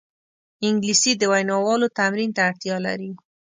انګلیسي د ویناوالو تمرین ته اړتیا لري